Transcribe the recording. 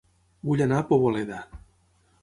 Vull anar a Poboleda